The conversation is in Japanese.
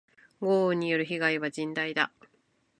豪雨による被害は甚大だ。